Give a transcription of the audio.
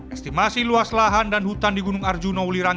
estimasi luas lahan dan hutan di gunung arjuna ulirang